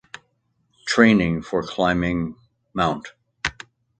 Training for climbing Mt.